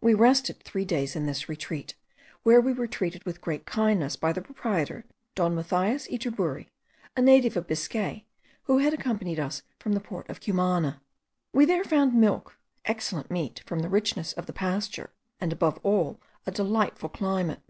We rested three days in this retreat, where we were treated with great kindness by the proprietor, Don Mathias Yturburi, a native of Biscay, who had accompanied us from the port of Cumana. We there found milk, excellent meat from the richness of the pasture, and above all, a delightful climate.